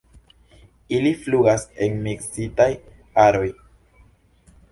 Ili flugas en miksitaj aroj.